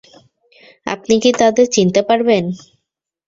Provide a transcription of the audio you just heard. আপনি কি তাদের চিনতে পারবেন?